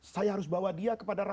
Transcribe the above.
saya harus bawa dia ke tempat lainnya